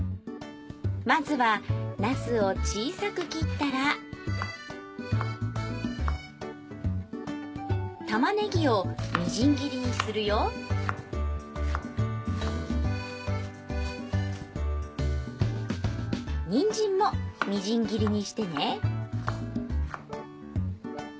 まずはなすを小さく切ったらたまねぎをみじん切りにするよにんじんもみじん切りにしてね